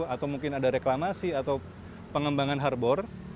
atau mungkin ada reklamasi atau pengembangan harbor